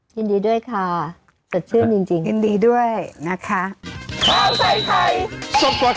ยินดีด้วยค่ะสดชื่นจริง